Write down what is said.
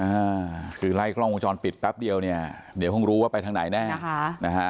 อ่าคือไล่กล้องวงจรปิดแป๊บเดียวเนี่ยเดี๋ยวคงรู้ว่าไปทางไหนแน่ค่ะนะฮะ